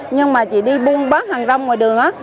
nhưng mà chị đi buôn bán hàng rong ngoài đường á